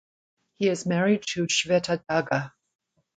He is married to Shweta Dagga.